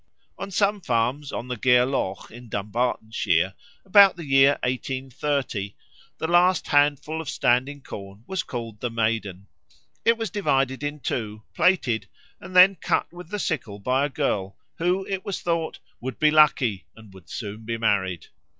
On some farms on the Gareloch, in Dumbartonshire, about the year 1830, the last handful of standing corn was called the Maiden. It was divided in two, plaited, and then cut with the sickle by a girl, who, it was thought, would be lucky and would soon be married.